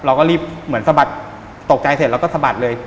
เราก็รีบเหมือนสะบัดตกใจเสร็จแล้วก็สะบัดเลย